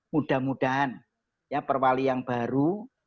mudah mudahan ya perwali yang baru